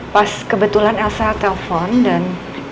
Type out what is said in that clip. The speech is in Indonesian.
pas kebetulan elsa telpon dan